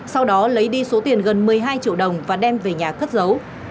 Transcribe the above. sau đó lấy đi số tiền gần một mươi hai triệu đồng và đem về nhà cất giấu